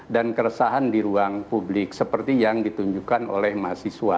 dan keresahan di ruang publik seperti yang ditunjukkan oleh mahasiswa